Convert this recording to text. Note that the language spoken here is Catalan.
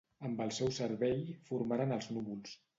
Amb el seu cervell formaren els núvols.